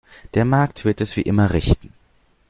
Der Markt wird es wie immer richten.